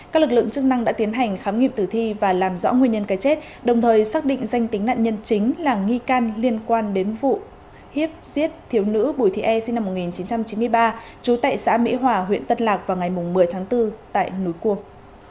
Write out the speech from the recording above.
các lực lượng chức năng đã tiến hành khám nghiệm tử thi và làm rõ nguyên nhân cái chết đồng thời xác định danh tính nạn nhân chính là nghi can liên quan đến vụ hiếp giết thiếu nữ bùi thị e sinh năm một nghìn chín trăm chín mươi ba trú tại xã mỹ hòa huyện tân lạc vào ngày một mươi tháng bốn tại núi cuông